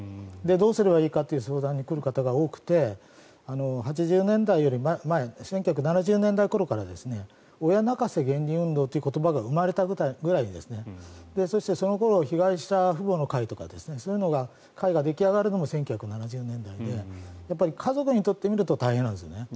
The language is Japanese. どうすればいいかという相談に来る方が多くて８０年代より前１９７０年代頃から親泣かせ原理運動という言葉が生まれたぐらいそしてその頃被害者父母の会とかそういう会が出来上がるのも１９７０年代で家族にとってみると大変なんですね。